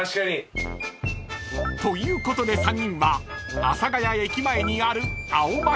［ということで３人は阿佐ケ谷駅前にある青松でディナー］